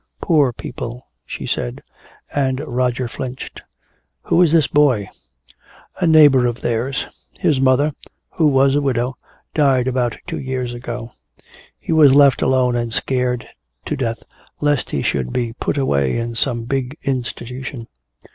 "Poor people," she said. And Roger flinched. "Who is this boy?" "A neighbor of theirs. His mother, who was a widow, died about two years ago. He was left alone and scared to death lest he should be 'put away' in some big institution.